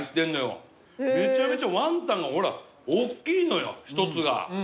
めちゃめちゃワンタンがほらおっきいのよ一つが。